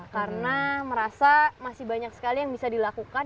karena merasa masih banyak sekali yang bisa dilakukan